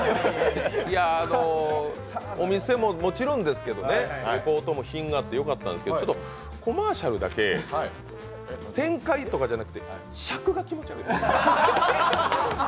いや、お店ももちろんですけどね、リポートも品があってよかったんですがコマーシャルだけ、展開とかじゃなくて、尺が気持ち悪い。